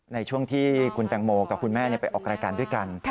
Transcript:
ในช่วงที่คุณแตงโมกับคุณแม่ไปออกรายการด้วยกัน